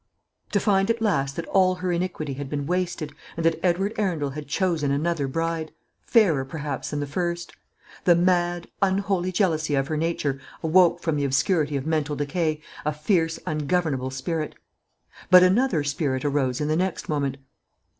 To find at last that all her iniquity had been wasted, and that Edward Arundel had chosen another bride fairer, perhaps, than the first. The mad, unholy jealousy of her nature awoke from the obscurity of mental decay, a fierce ungovernable spirit. But another spirit arose in the next moment.